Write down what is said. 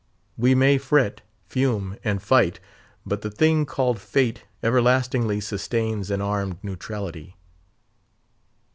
We may fret, fume, and fight; but the thing called Fate everlastingly sustains an armed neutrality.